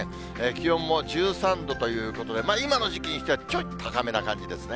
気温も１３度ということで、今の時期にしてはちょっと高めな感じですね。